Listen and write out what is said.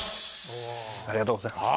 ありがとうございます。